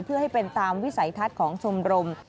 เพื่อให้เป็นตามวิสัยทัศน์ของชมรม